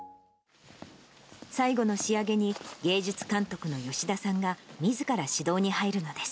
最後の仕上げに、芸術監督の吉田さんがみずから指導に入るのです。